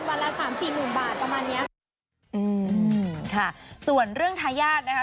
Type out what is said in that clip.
ละสามสี่หมื่นบาทประมาณเนี้ยค่ะอืมค่ะส่วนเรื่องทายาทนะคะ